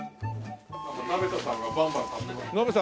鍋田さんがバンバン買ってます。